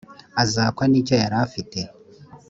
azakwa n’icyo yari afite